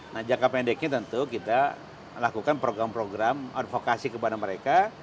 nah jangka pendeknya tentu kita lakukan program program advokasi kepada mereka